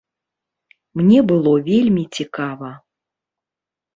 Мне было вельмі цікава.